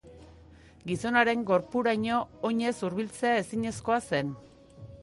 Gizonaren gorpuraino oinez hurbiltzea ezinezkoa zen.